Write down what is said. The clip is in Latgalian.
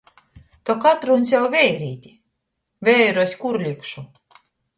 Tok atrūņ sev veirīti! veiru es kur likšu??